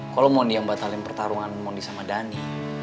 kalau mondi yang batalin pertarungan mondi sama dhani